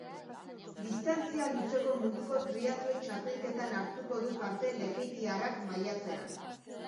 Distantzia luzeko munduko triatloi txapelketan hartuko du parte lekeitiarrak maiatzean.